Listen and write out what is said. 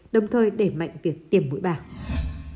đồng thời để mạnh việc tiêm mũi bảo